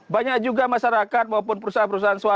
banyak juga masyarakat maupun perusahaan perusahaan swasta